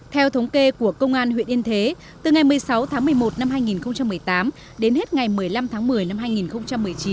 theo thống kê của công an huyện yên thế từ ngày một mươi sáu tháng một mươi một năm hai nghìn một mươi tám đến hết ngày một mươi năm tháng một mươi năm hai nghìn một mươi chín